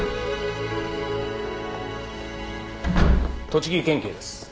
・栃木県警です。